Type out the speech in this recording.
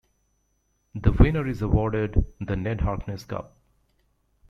The winner is awarded the Ned Harkness Cup.